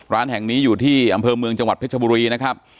ร้านแห่งนี้อยู่ที่อำเภอเมืองจังหวัดเพชรบุรีนะครับ